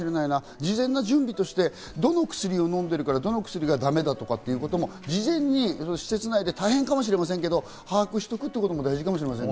事前の準備として、どの薬を飲んでいるから、どの薬がだめだとか言うことも事前に施設内で大変かもしれませんけど、把握しておくことも大事かもしれませんね。